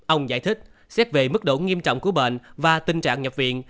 ông giải thích xét về mức độ nghiêm trọng của bệnh và tình trạng nhập viện